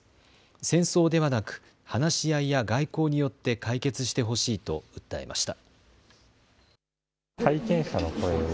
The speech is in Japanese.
戦争ではなく話し合いや外交によって解決してほしいと訴えました。